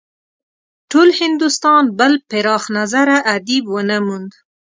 ټول هندوستان بل پراخ نظره ادیب ونه موند.